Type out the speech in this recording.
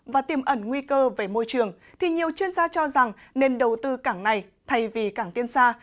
và tiềm ẩn nguy cơ về môi trường thì nhiều chuyên gia cho rằng nên đầu tư cảng này thay vì cảng tiên sa